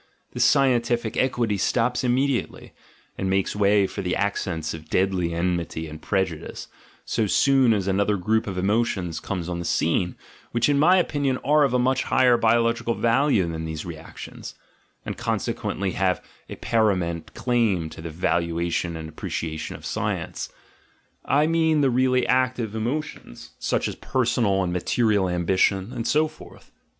This scientific "equity" stops immediately and makes way for the accents of deadly enmity and prejudice, so soon as another group of emotions comes on the scene, which in my opinion are of a much higher biological value than these reactions, and consequently have a paramount claim to the valua tion and appreciation of science: I mean the really active emotions, such as personal and material ambition, and so forth.